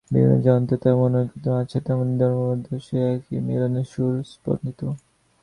বিভিন্ন যন্ত্রে যেমন ঐক্যতান আছে, তেমনি ধর্মগুলির মধ্যেও সেই একই মিলনের সুর স্পন্দিত।